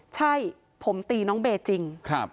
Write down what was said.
ใช่ผมตีน้องเบย์จริง